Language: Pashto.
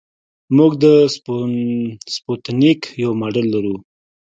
موږ د سپوتنیک یو ماډل لرو